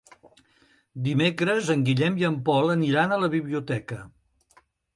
Dimecres en Guillem i en Pol aniran a la biblioteca.